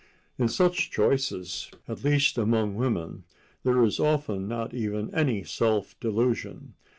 In such choices, at least among women, there is often not even any self delusion.